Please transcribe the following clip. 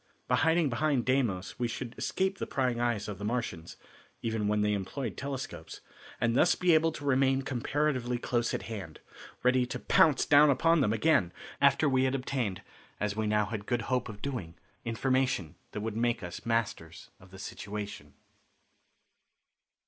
By hiding behind Deimos we should escape the prying eyes of the Martians, even when they employed telescopes, and thus be able to remain comparatively close at hand, ready to pounce down upon them again after we had obtained, as we now had good hope of doing, information that would make us masters of the situation.